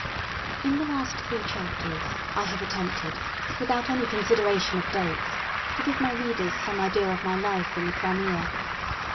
In the last three chapters, I have attempted, without any consideration of dates, to give my readers some idea of my life in the Crimea.